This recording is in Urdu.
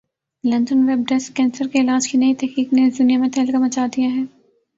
لندن ویب ڈیسک کینسر کے علاج کی نئی تحقیق نے اس دنیا میں تہلکہ مچا دیا ہے